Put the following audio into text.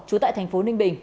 trú tại tp ninh bình